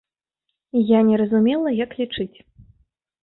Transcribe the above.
Я не разумела, як лічыць.